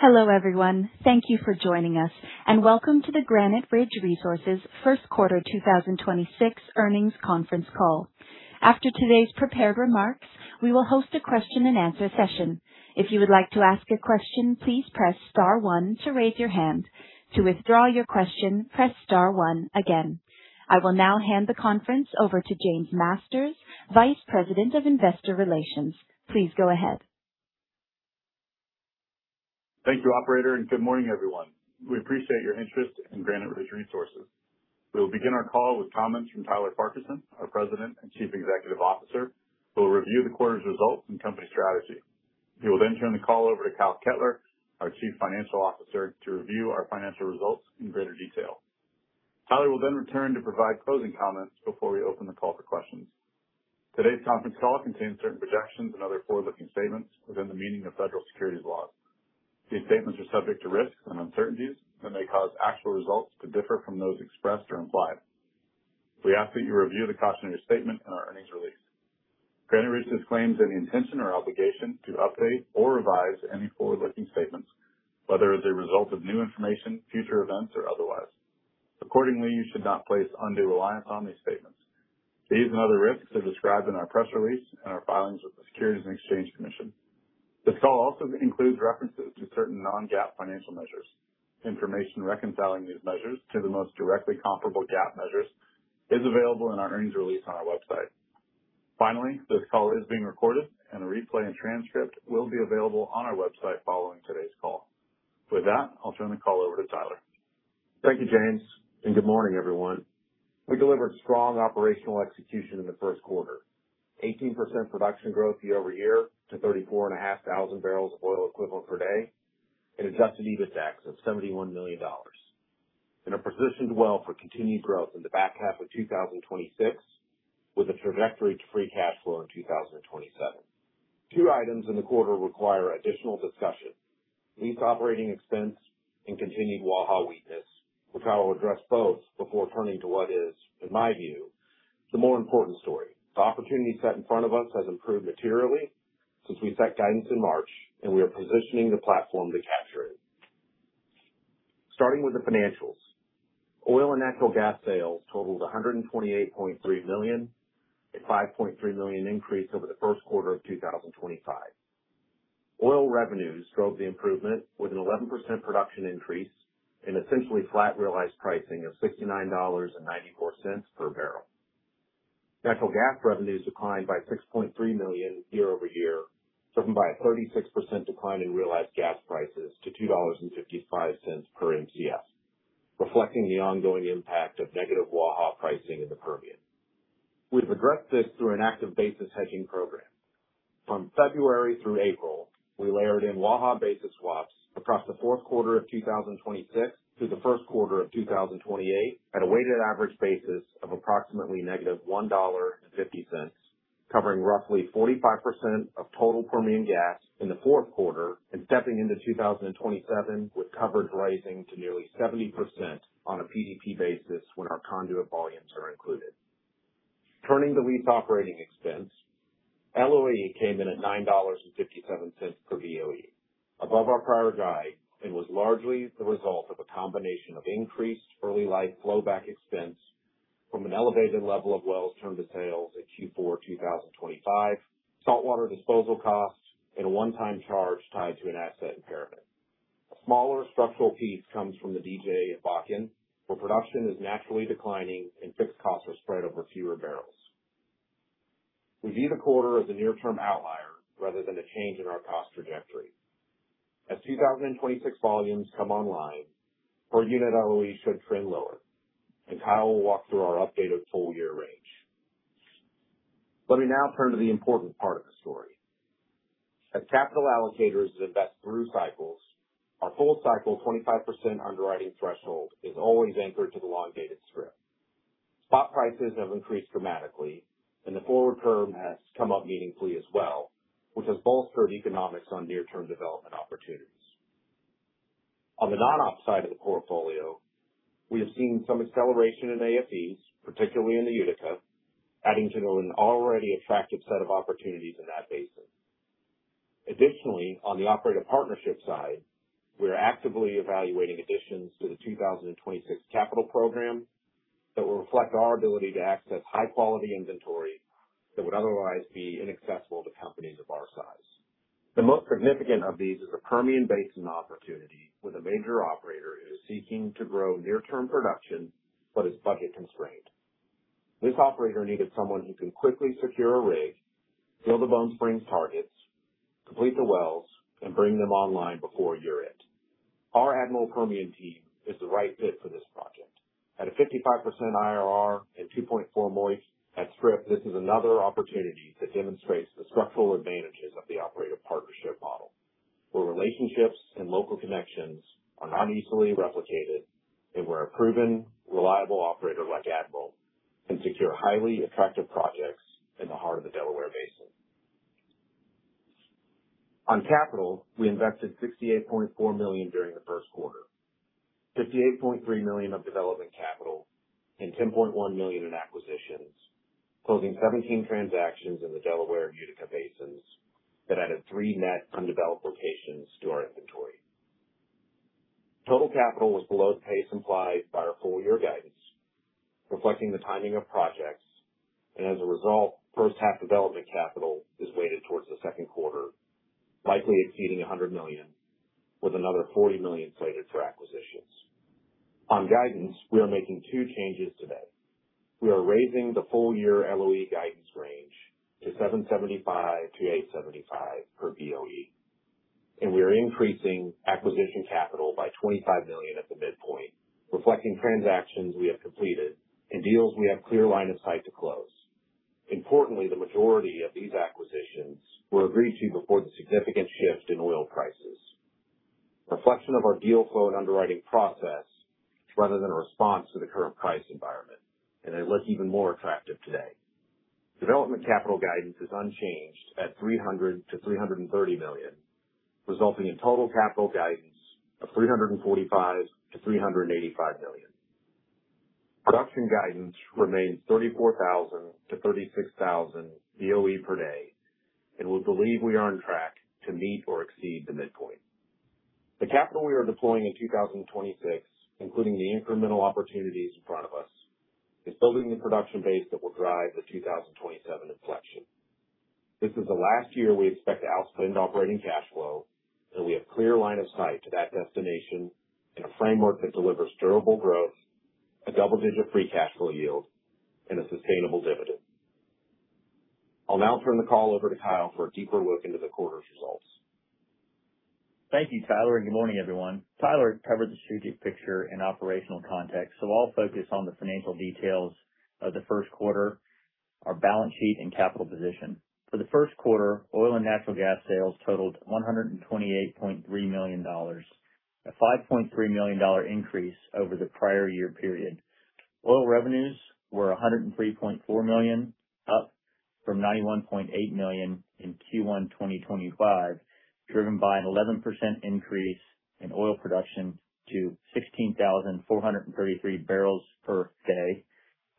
Hello, everyone. Thank you for joining us, and welcome to the Granite Ridge Resources First Quarter 2026 Earnings Conference Call. After today's prepared remarks, we will host a question-and-answer session. If you would like to ask a question, please press star one to raise your hand. To withdraw your question, press star one again. I will now hand the conference over to James Masters, Vice President of Investor Relations. Please go ahead. Thank you, operator, and good morning, everyone. We appreciate your interest in Granite Ridge Resources. We will begin our call with comments from Tyler Farquharson, our President and Chief Executive Officer, who will review the quarter's results and company strategy. He will turn the call over to Kyle Kettler, our Chief Financial Officer, to review our financial results in greater detail. Tyler will return to provide closing comments before we open the call for questions. Today's conference call contains certain projections and other forward-looking statements within the meaning of federal securities laws. These statements are subject to risks and uncertainties that may cause actual results to differ from those expressed or implied. We ask that you review the cautionary statement in our earnings release. Granite Ridge disclaims any intention or obligation to update or revise any forward-looking statements, whether as a result of new information, future events, or otherwise. You should not place undue reliance on these statements. These and other risks are described in our press release and our filings with the Securities and Exchange Commission. This call also includes references to certain non-GAAP financial measures. Information reconciling these measures to the most directly comparable GAAP measures is available in our earnings release on our website. This call is being recorded, and a replay and transcript will be available on our website following today's call. With that, I'll turn the call over to Tyler. Thank you, James, and good morning, everyone. We delivered strong operational execution in the first quarter. 18% production growth year-over-year to 34,500 barrels of oil equivalent per day and adjusted EBITDA of $71 million. We are positioned well for continued growth in the back half of 2026, with a trajectory to free cash flow in 2027. Two items in the quarter require additional discussion: lease operating expense and continued Waha weakness, which I will address both before turning to what is, in my view, the more important story. The opportunity set in front of us has improved materially since we set guidance in March, and we are positioning the platform to capture it. Starting with the financials. Oil and natural gas sales totaled $128.3 million, a $5.3 million increase over the first quarter of 2025. Oil revenues drove the improvement with an 11% production increase and essentially flat realized pricing of $69.94 per barrel. Natural gas revenues declined by $6.3 million year-over-year, driven by a 36% decline in realized gas prices to $2.55 per Mcf, reflecting the ongoing impact of negative Waha pricing in the Permian. We've addressed this through an active basis hedging program. From February through April, we layered in Waha basis swaps across the fourth quarter of 2026 through the first quarter of 2028 at a weighted average basis of approximately -$1.50, covering roughly 45% of total Permian gas in the fourth quarter and stepping into 2027 with coverage rising to nearly 70% on a PDP basis when our conduit volumes are included. Turning to lease operating expense, LOE came in at $9.57 per BOE, above our prior guide, and was largely the result of a combination of increased early life flowback expense from an elevated level of wells turned to sales in Q4 2025, saltwater disposal costs, and a one-time charge tied to an asset impairment. A smaller structural piece comes from the DJ and Bakken, where production is naturally declining and fixed costs are spread over fewer barrels. We view the quarter as a near-term outlier rather than a change in our cost trajectory. As 2026 volumes come online, per unit LOE should trend lower, and Kyle will walk through our updated full year range. Let me now turn to the important part of the story. As capital allocators invest through cycles, our full cycle 25% underwriting threshold is always anchored to the long-dated strip. Spot prices have increased dramatically, and the forward curve has come up meaningfully as well, which has bolstered economics on near-term development opportunities. On the non-op side of the portfolio, we have seen some acceleration in AFEs, particularly in the Utica, adding to an already attractive set of opportunities in that basin. Additionally, on the operator partnership side, we are actively evaluating additions to the 2026 capital program that will reflect our ability to access high quality inventory that would otherwise be inaccessible to companies of our size. The most significant of these is a Permian Basin opportunity with a major operator who is seeking to grow near-term production but is budget constrained. This operator needed someone who can quickly secure a rig, fill the Bone Spring targets, complete the wells, and bring them online before year-end. Our Admiral Permian team is the right fit for this project. At a 55% IRR and 2.4 MOIC at strip, this is another opportunity that demonstrates the structural advantages of the operator partnership model, where relationships and local connections are not easily replicated and where a proven, reliable operator like Admiral can secure highly attractive projects in the heart of the Delaware Basin. On capital, we invested $68.4 million during the first quarter. $58.3 million of development capital and $10.1 million in acquisitions, closing 17 transactions in the Delaware and Utica Basins that added three net undeveloped locations to our inventory. Total capital was below the pace implied by our full year guidance, reflecting the timing of projects. As a result, first half development capital is weighted towards the second quarter, likely exceeding $100 million, with another $40 million slated for acquisitions. On guidance, we are making two changes today. We are raising the full year LOE guidance range to $7.75-$8.75 per BOE. We are increasing acquisition capital by $25 million at the midpoint, reflecting transactions we have completed and deals we have clear line of sight to close. Importantly, the majority of these acquisitions were agreed to before the significant shift in oil prices. Reflection of our deal flow and underwriting process rather than a response to the current price environment. They look even more attractive today. Development capital guidance is unchanged at $300 million-$330 million, resulting in total capital guidance of $345 million-$385 million. Production guidance remains 34,000-36,000 BOE per day. We believe we are on track to meet or exceed the midpoint. The capital we are deploying in 2026, including the incremental opportunities in front of us, is building the production base that will drive the 2027 inflection. This is the last year we expect to outspend operating cash flow, and we have clear line of sight to that destination and a framework that delivers durable growth, a double-digit free cash flow yield, and a sustainable dividend. I'll now turn the call over to Kyle for a deeper look into the quarter's results. Thank you, Tyler, and good morning, everyone. Tyler covered the strategic picture and operational context, so I'll focus on the financial details of the first quarter, our balance sheet and capital position. For the first quarter, oil and natural gas sales totaled $128.3 million, a $5.3 million increase over the prior year period. Oil revenues were $103.4 million, up from $91.8 million in Q1 2025, driven by an 11% increase in oil production to 16,433 barrels per day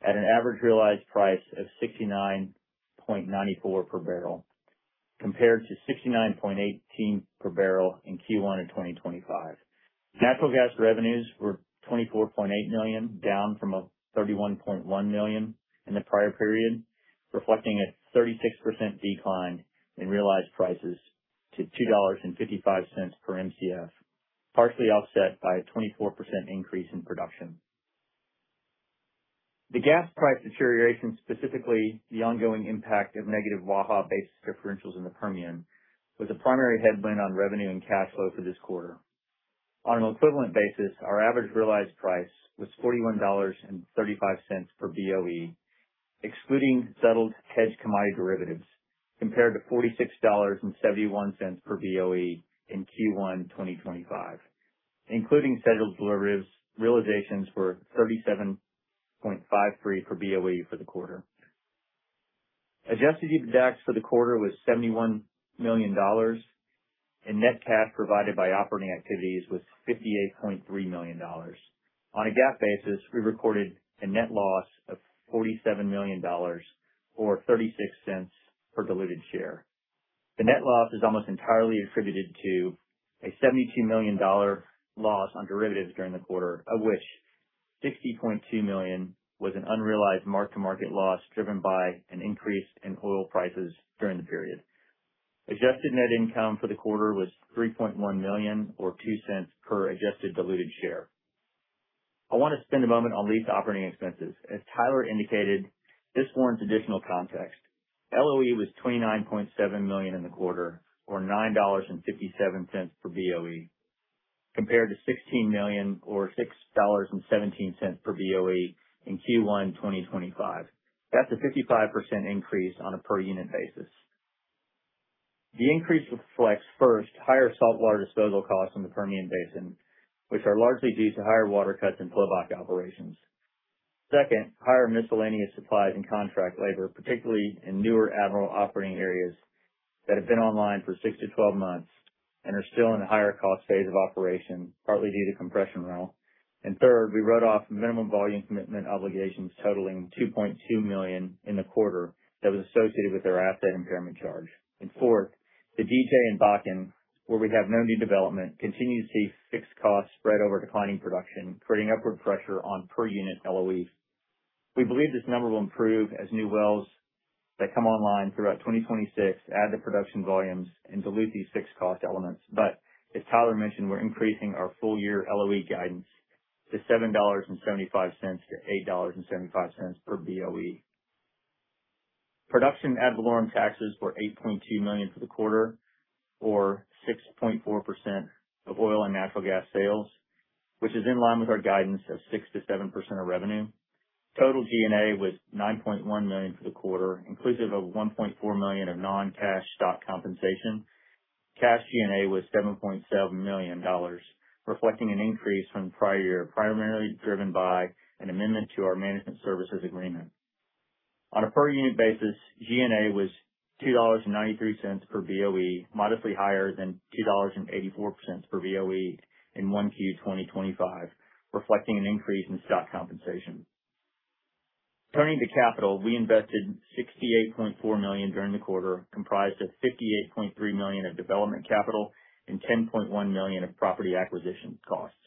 at an average realized price of $69.94 per barrel, compared to $69.18 per barrel in Q1 of 2025. Natural gas revenues were $24.8 million, down from a $31.1 million in the prior period, reflecting a 36% decline in realized prices to $2.55 per Mcf, partially offset by a 24% increase in production. The gas price deterioration, specifically the ongoing impact of negative Waha basis differentials in the Permian, was the primary headwind on revenue and cash flow for this quarter. On an equivalent basis, our average realized price was $41.35 per BOE, excluding settled hedge commodity derivatives, compared to $46.71 per BOE in Q1 2025, including settled derivatives, realizations were $37.53 per BOE for the quarter. Adjusted EBITDAX for the quarter was $71 million and net cash provided by operating activities was $58.3 million. On a GAAP basis, we recorded a net loss of $47 million or $0.36 per diluted share. The net loss is almost entirely attributed to a $72 million loss on derivatives during the quarter, of which $60.2 million was an unrealized mark-to-market loss, driven by an increase in oil prices during the period. Adjusted net income for the quarter was $3.1 million or $0.02 per adjusted diluted share. I want to spend a moment on lease operating expenses. As Tyler indicated, this warrants additional context. LOE was $29.7 million in the quarter, or $9.57 per BOE, compared to $16 million or $6.17 per BOE in Q1 2025. That's a 55% increase on a per unit basis. The increase reflects, first, higher saltwater disposal costs in the Permian Basin, which are largely due to higher water cuts in pullback operations. Second, higher miscellaneous supplies and contract labor, particularly in newer Admiral operating areas that have been online for six to 12 months and are still in a higher cost phase of operation, partly due to compression rental. Third, we wrote off minimum volume commitment obligations totaling $2.2 million in the quarter that was associated with our asset impairment charge. Fourth, the D.J. and Bakken, where we have no new development, continue to see fixed costs spread over declining production, creating upward pressure on per unit LOEs. We believe this number will improve as new wells that come online throughout 2026 add to production volumes and dilute these fixed cost elements. As Tyler mentioned, we're increasing our full year LOE guidance to $7.75-$8.75 per BOE. Production ad valorem taxes were $8.2 million for the quarter, or 6.4% of oil and natural gas sales, which is in line with our guidance of 6%-7% of revenue. Total G&A was $9.1 million for the quarter, inclusive of $1.4 million of non-cash stock compensation. Cash G&A was $7.7 million, reflecting an increase from the prior year, primarily driven by an amendment to our management services agreement. On a per unit basis, G&A was $2.93 per BOE, modestly higher than $2.84 per BOE in 1Q 2025, reflecting an increase in stock compensation. Turning to capital, we invested $68.4 million during the quarter, comprised of $58.3 million of development capital and $10.1 million of property acquisition costs.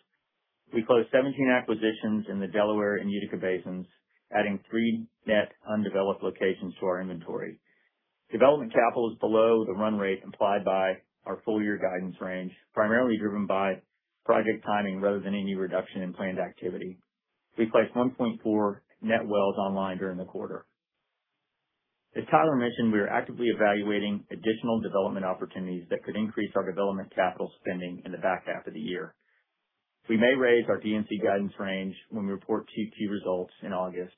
We closed 17 acquisitions in the Delaware and Utica basins, adding three net undeveloped locations to our inventory. Development capital is below the run rate implied by our full year guidance range, primarily driven by project timing rather than any reduction in planned activity. We placed 1.4 net wells online during the quarter. As Tyler mentioned, we are actively evaluating additional development opportunities that could increase our development capital spending in the back half of the year. We may raise our D&C guidance range when we report 2Q results in August,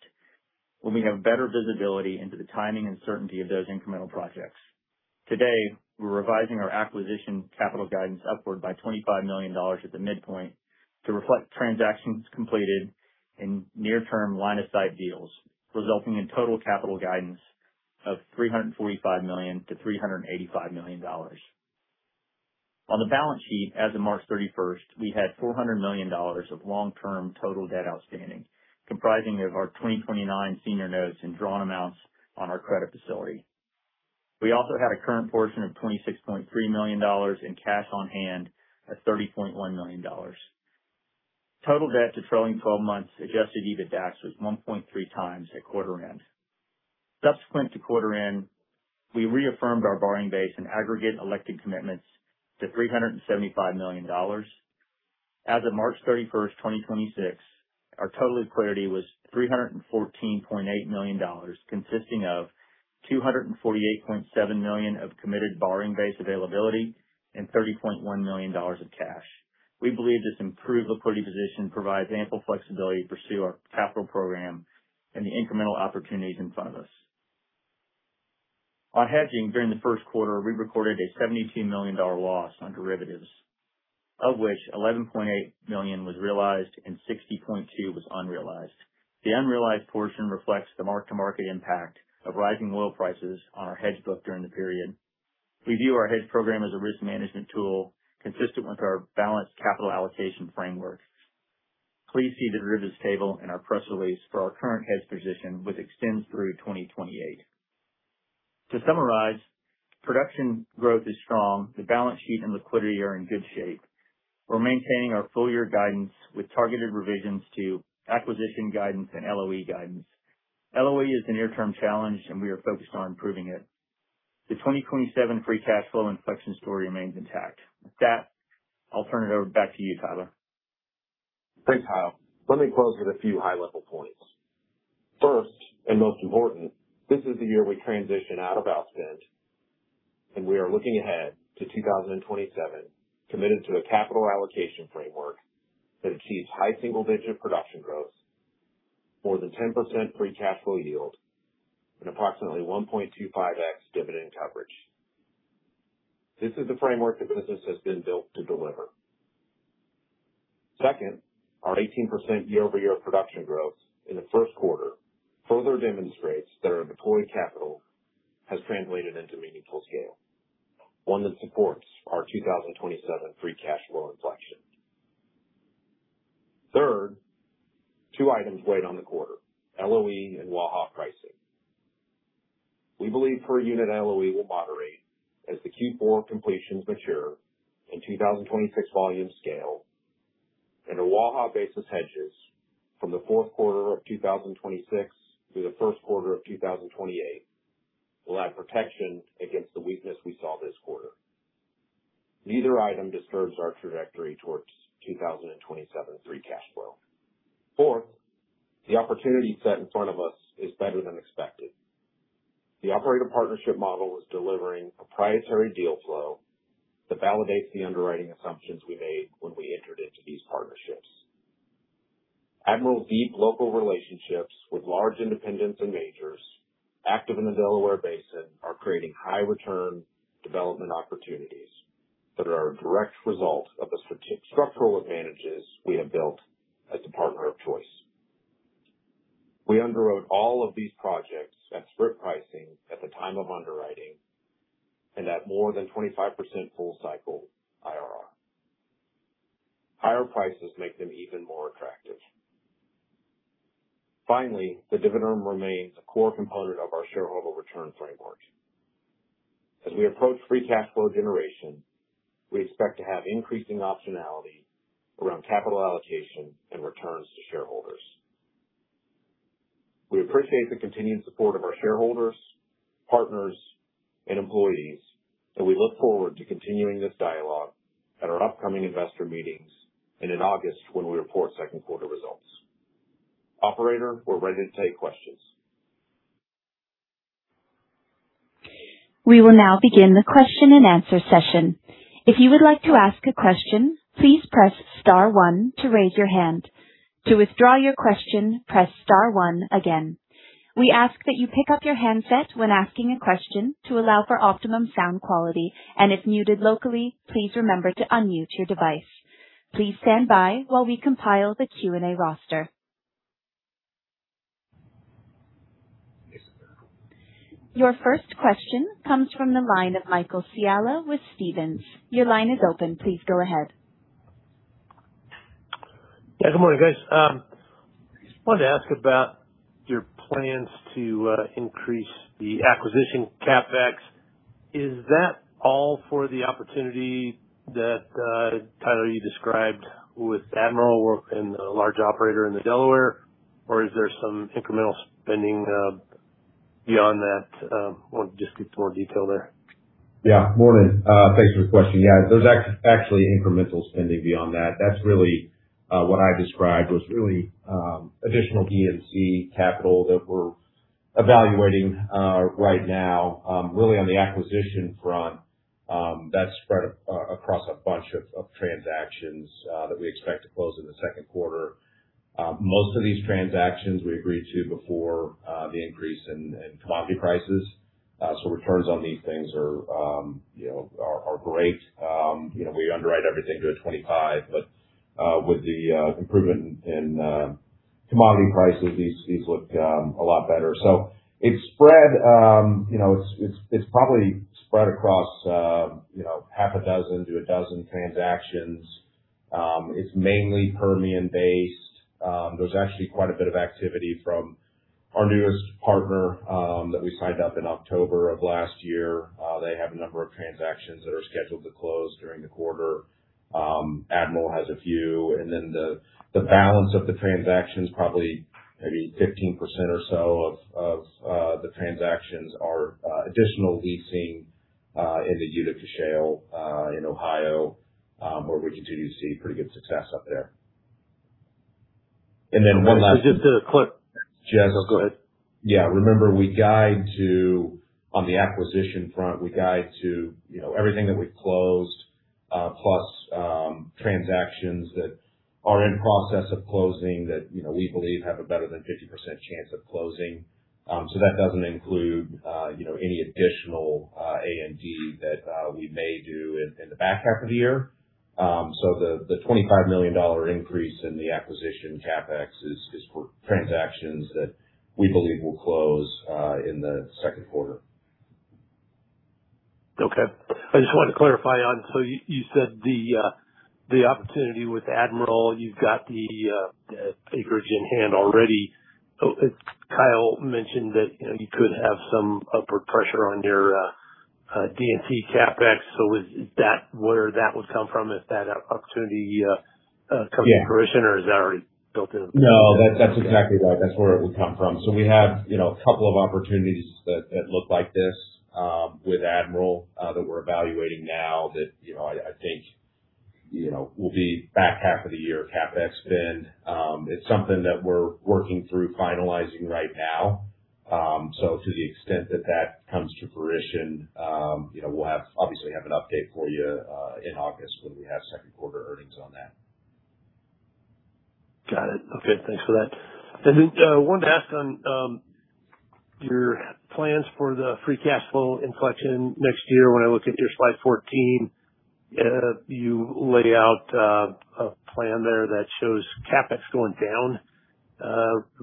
when we have better visibility into the timing and certainty of those incremental projects. Today, we're revising our acquisition capital guidance upward by $25 million at the midpoint to reflect transactions completed in near-term line of sight deals, resulting in total capital guidance of $345 million-$385 million. On the balance sheet, as of March 31st, we had $400 million of long-term total debt outstanding, comprising of our 2029 senior notes and drawn amounts on our credit facility. We also had a current portion of $26.3 million in cash on hand at $30.1 million. Total debt to trailing 12 months adjusted EBITDAX was 1.3x at quarter end. Subsequent to quarter end, we reaffirmed our borrowing base and aggregate elected commitments to $375 million. As of March 31st, 2026, our total liquidity was $314.8 million, consisting of $248.7 million of committed borrowing base availability and $30.1 million of cash. We believe this improved liquidity position provides ample flexibility to pursue our capital program and the incremental opportunities in front of us. On hedging, during the first quarter, we recorded a $72 million loss on derivatives, of which $11.8 million was realized and $60.2 million was unrealized. The unrealized portion reflects the mark-to-market impact of rising oil prices on our hedge book during the period. We view our hedge program as a risk management tool consistent with our balanced capital allocation framework. Please see the derivatives table in our press release for our current hedge position, which extends through 2028. To summarize, production growth is strong. The balance sheet and liquidity are in good shape. We're maintaining our full year guidance with targeted revisions to acquisition guidance and LOE guidance. LOE is a near-term challenge, and we are focused on improving it. The 2027 free cash flow inflection story remains intact. With that, I'll turn it over back to you, Tyler. Thanks, Kyle. Let me close with a few high-level points. First, and most important, this is the year we transition out of outspend, and we are looking ahead to 2027, committed to a capital allocation framework that achieves high single-digit production growth, more than 10% free cash flow yield and approximately 1.25x dividend coverage. This is the framework the business has been built to deliver. Second, our 18% year-over-year production growth in the first quarter further demonstrates that our deployed capital has translated into meaningful scale, one that supports our 2027 free cash flow inflection. Third, two items weighed on the quarter: LOE and Waha pricing. We believe per unit LOE will moderate as the Q4 completions mature and 2026 volume scale and the Waha basis hedges from the fourth quarter of 2026 through the first quarter of 2028 will add protection against the weakness we saw this quarter. Neither item disturbs our trajectory towards 2027 free cash flow. Fourth, the opportunity set in front of us is better than expected. The operator partnership model is delivering proprietary deal flow that validates the underwriting assumptions we made when we entered into these partnerships. Admiral's deep local relationships with large independents and majors active in the Delaware Basin are creating high return development opportunities that are a direct result of the structural advantages we have built as a partner of choice. We underwrote all of these projects at strip pricing at the time of underwriting and at more than 25% full cycle IRR. Higher prices make them even more attractive. The dividend remains a core component of our shareholder return framework. As we approach free cash flow generation, we expect to have increasing optionality around capital allocation and returns to shareholders. We appreciate the continued support of our shareholders, partners and employees, and we look forward to continuing this dialogue at our upcoming investor meetings and in August when we report second quarter results. Operator, we're ready to take questions. We will now begin the question and answer session. If you would like to ask a question, please press star one to raise your hand. To withdraw your question, press star one again. We ask that you pick up your handset when asking a question to allow for optimum sound quality. If muted locally, please remember to unmute your device. Your first question comes from the line of Michael Scialla with Stephens. Your line is open. Please go ahead. Yeah. Good morning, guys. Just wanted to ask about your plans to increase the acquisition CapEx. Is that all for the opportunity that Tyler, you described with Admiral and the large operator in the Delaware? Or is there some incremental spending beyond that, or just give some more detail there. Morning. Thanks for the question. There's actually incremental spending beyond that. That's really what I described was really additional D&C capital that we're evaluating right now. Really on the acquisition front, that's spread across a bunch of transactions that we expect to close in the second quarter. Most of these transactions we agreed to before the increase in commodity prices. Returns on these things are, you know, great. You know, we underwrite everything to a 25, but with the improvement in commodity prices, these look a lot better. It's spread, you know, it's probably spread across, you know, half a dozen to a dozen transactions. It's mainly Permian based. There's actually quite a bit of activity from our newest partner that we signed up in October of last year. They have a number of transactions that are scheduled to close during the quarter. Admiral has a few. The balance of the transactions, probably maybe 15% or so of the transactions are additional leasing in the Utica Shale in Ohio, where we continue to see pretty good success up there. One last- Just to clarify. Just- Oh, go ahead. Yeah. Remember we guide on the acquisition front, we guide to, you know, everything that we've closed, plus transactions that are in process of closing that, you know, we believe have a better than 50% chance of closing. That doesn't include, you know, any additional A&D that we may do in the back half of the year. The $25 million increase in the acquisition CapEx is for transactions that we believe will close in the second quarter. Okay. I just wanted to clarify. You said the opportunity with Admiral, you've got the acreage in hand already. Kyle mentioned that, you know, you could have some upward pressure on your D&C CapEx. Is that where that would come from if that opportunity comes to fruition? Yeah. Is that already built into? No, that's exactly right. That's where it would come from. We have, you know, a couple of opportunities that look like this with Admiral that we're evaluating now that, you know, I think, you know, will be back half of the year CapEx spend. It's something that we're working through finalizing right now. To the extent that that comes to fruition, you know, we'll obviously have an update for you in August when we have second quarter earnings on that. Got it. Okay. Thanks for that. Wanted to ask on your plans for the free cash flow inflection next year. When I look at your slide 14, you lay out a plan there that shows CapEx going down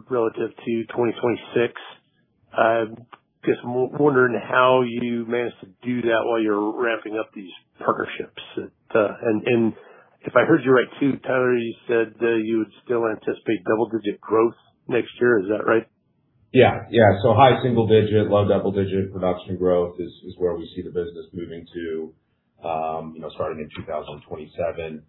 relative to 2026. I guess I'm wondering how you manage to do that while you're ramping up these partnerships. If I heard you right, too, Tyler, you said that you would still anticipate double-digit growth next year. Is that right? Yeah. Yeah. High single-digit, low double-digit production growth is where we see the business moving to, you know, starting in 2027. You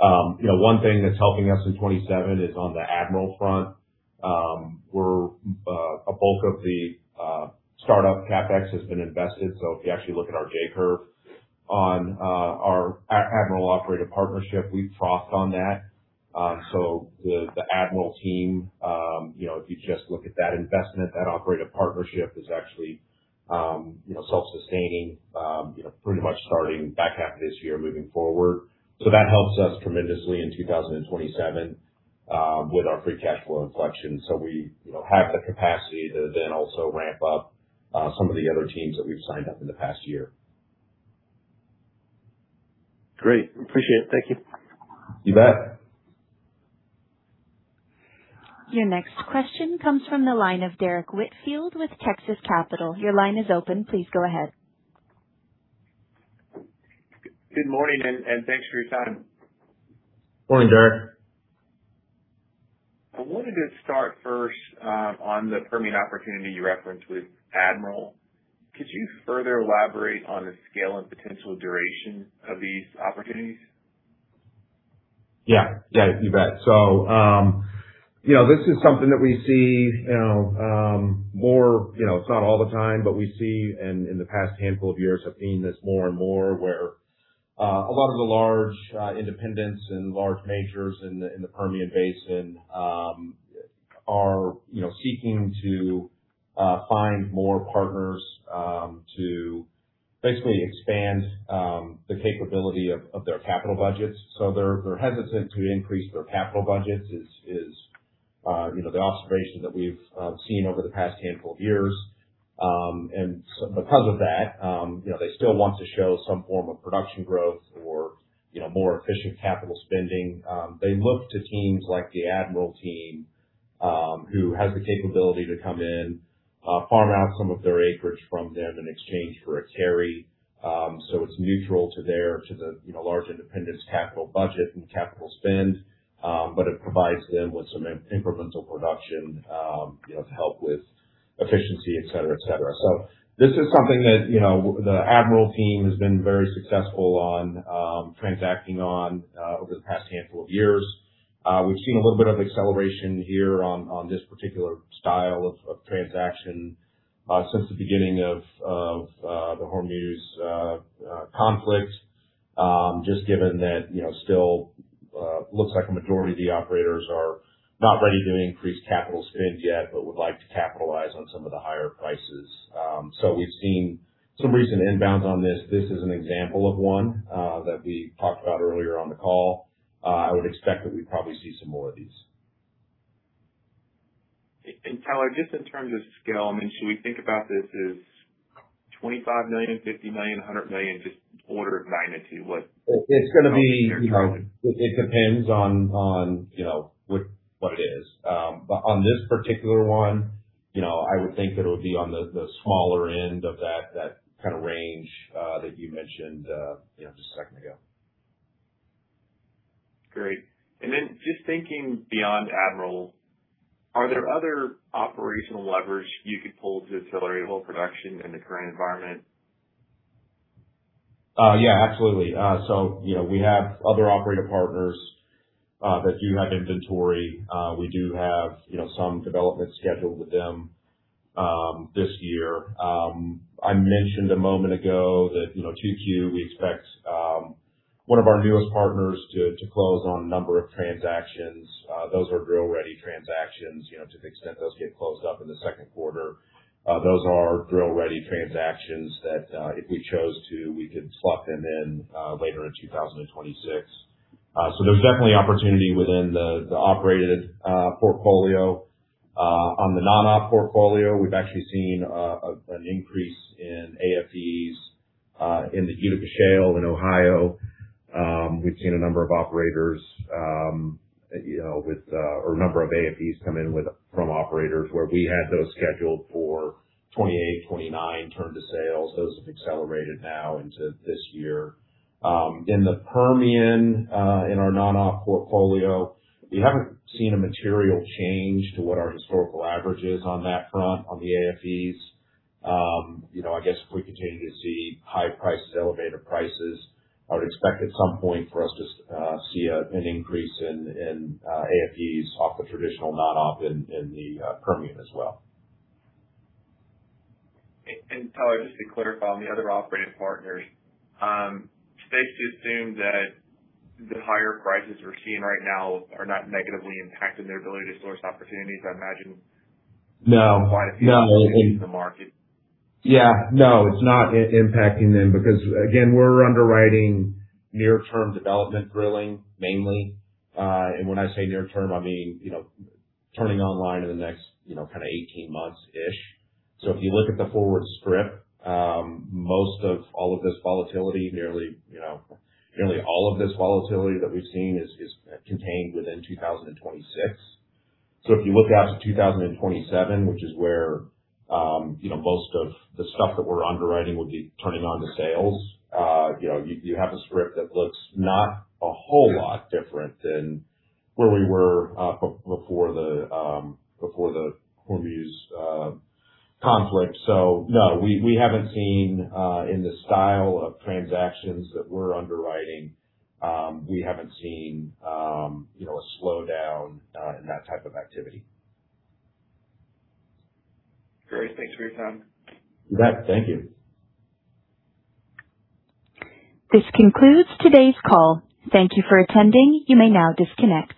know, one thing that's helping us in 2027 is on the Admiral front. A bulk of the startup CapEx has been invested. If you actually look at our J curve on our Admiral operator partnership, we crossed on that. The Admiral team, you know, if you just look at that investment, that operator partnership is actually, you know, self-sustaining, you know, pretty much starting back half of this year moving forward. That helps us tremendously in 2027 with our free cash flow inflection. We, you know, have the capacity to then also ramp up some of the other teams that we've signed up in the past year. Great. Appreciate it. Thank you. You bet. Your next question comes from the line of Derrick Whitfield with Texas Capital. Your line is open. Please go ahead. Good morning, and thanks for your time. Morning, Derrick. I wanted to start first, on the Permian opportunity you referenced with Admiral. Could you further elaborate on the scale and potential duration of these opportunities? Yeah. Yeah, you bet. You know, this is something that we see, you know, more, you know, it's not all the time, but we see and in the past handful of years have seen this more and more where a lot of the large independents and large majors in the Permian Basin are, you know, seeking to find more partners to basically expand the capability of their capital budgets. They're hesitant to increase their capital budgets is, you know, the observation that we've seen over the past handful of years. Because of that, you know, they still want to show some form of production growth or, you know, more efficient capital spending. They look to teams like the Admiral team, who has the capability to come in, farm out some of their acreage from them in exchange for a carry. It's neutral to their, to the, you know, large independent capital budget and capital spend. It provides them with some incremental production, you know, to help with efficiency, et cetera, et cetera. This is something that, you know, the Admiral team has been very successful on, transacting on, over the past handful of years. We've seen a little bit of acceleration here on this particular style of transaction since the beginning of the Hormuz conflict. Just given that, you know, still, looks like a majority of the operators are not ready to increase capital spend yet, but would like to capitalize on some of the higher prices. We've seen some recent inbounds on this. This is an example of one that we talked about earlier on the call. I would expect that we'd probably see some more of these. Tyler, just in terms of scale, I mean, should we think about this as $25 million, $50 million, $100 million? Just order of magnitude, what? It's gonna be, you know, it depends on, you know, what it is. On this particular one, you know, I would think it would be on the smaller end of that kind of range that you mentioned, you know, just a second ago. Great. Just thinking beyond Admiral, are there other operational leverage you could pull to accelerate well production in the current environment? Yeah, absolutely. You know, we have other operator partners that do have inventory. We do have, you know, some development scheduled with them this year. I mentioned a moment ago that, you know, 2Q, we expect one of our newest partners to close on a number of transactions. Those are drill ready transactions, you know, to the extent those get closed up in the second quarter. Those are drill ready transactions that if we chose to, we could slot them in later in 2026. There's definitely opportunity within the operated portfolio. On the non-op portfolio, we've actually seen an increase in AFEs in the Utica Shale in Ohio. We've seen a number of operators, you know, or a number of AFEs come in from operators where we had those scheduled for 2028, 2029 turn to sales. Those have accelerated now into this year. In the Permian, in our non-op portfolio, we haven't seen a material change to what our historical average is on that front, on the AFEs. You know, I guess if we continue to see high prices, elevated prices, I would expect at some point for us to see an increase in AFEs off of traditional non-op in the Permian as well. Tyler, just to clarify on the other operated partners, safe to assume that the higher prices we're seeing right now are not negatively impacting their ability to source opportunities? No. No. Quite a few opportunities in the market. Yeah. No, it's not impacting them because again, we're underwriting near-term development drilling mainly. When I say near term, I mean, you know, turning online in the next, you know, kinda 18 months-ish. If you look at the forward strip, most of all of this volatility, nearly, you know, nearly all of this volatility that we've seen is contained within 2026. If you look out to 2027, which is where, you know, most of the stuff that we're underwriting would be turning on to sales, you know, you have a script that looks not a whole lot different than where we were before the before the Hormuz conflict. No, we haven't seen, in the style of transactions that we're underwriting, you know, a slowdown in that type of activity. Great. Thanks for your time. You bet. Thank you. This concludes today's call. Thank you for attending. You may now disconnect.